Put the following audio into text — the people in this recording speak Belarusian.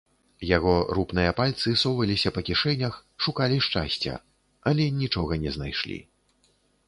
Яго рупныя пальцы соваліся па кішэнях, шукалі шчасця, але нічога не знайшлі.